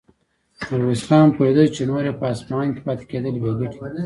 ميرويس خان پوهېده چې نور يې په اصفهان کې پاتې کېدل بې ګټې دي.